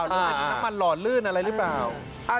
หรือน้ำมันหล่อลื่นอะไรหรือเปล่า